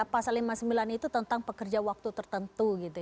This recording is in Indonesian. pasal lima puluh sembilan itu tentang pekerja waktu tertentu gitu